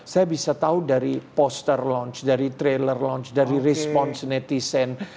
saya bisa tahu dari poster launch dari trailer launch dari respons netizen